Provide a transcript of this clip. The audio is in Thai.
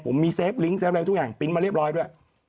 ผมมีเซฟลิงกเซฟอะไรทุกอย่างปริ้นต์มาเรียบร้อยด้วย